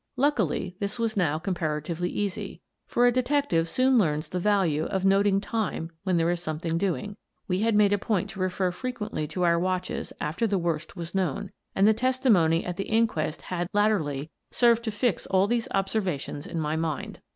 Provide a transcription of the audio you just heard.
Luckily this was now comparatively easy, for a detective soon learns the value of noting time when there is something doing; we had made a point to refer frequently to our watches after the worst was known, and the testimony at the inquest had, latterly, served to fix all these observations in my mind.